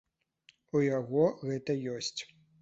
У яго гэта ёсць.